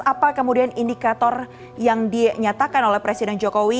apa kemudian indikator yang dinyatakan oleh presiden jokowi